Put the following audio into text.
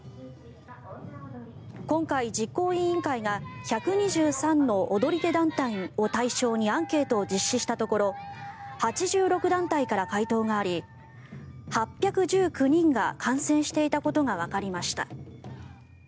今回、実行委員会が１２３の踊り手団体を対象にアンケートを実施したところ８６団体から回答があり８１９人が感染していたことがわかりました。